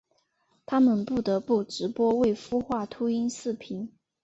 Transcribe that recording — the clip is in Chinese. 他们不得不直播未孵化秃鹰视频。